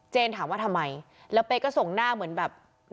ถามว่าทำไมแล้วเป๊กก็ส่งหน้าเหมือนแบบ